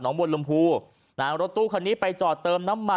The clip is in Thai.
บนลมภูนะฮะรถตู้คันนี้ไปจอดเติมน้ำมัน